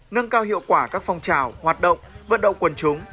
nâng cao hiệu quả các phong trào hoạt động vận động quần chúng